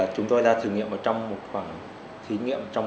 chúng tôi đã thử nghiệm trong một khoảng thời gian nhất định